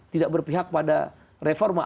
tidak berpihak pada reforma